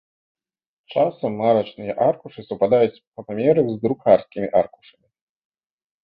Часам марачныя аркушы супадаюць па памерах з друкарскімі аркушамі.